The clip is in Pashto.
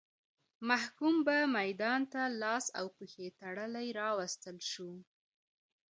محکوم به میدان ته لاس او پښې تړلی راوستل شو.